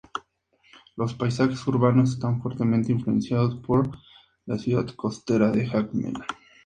Los paisajes urbanos están fuertemente influenciados por la ciudad costera de Jacmel.